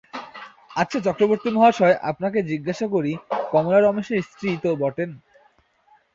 আচ্ছা চক্রবর্তীমহাশয়, আপনাকে জিঞ্চাসা করি, কমলা রমেশের স্ত্রী তো বটেন?